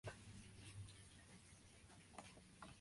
Uno de sus hobbies es la cerámica.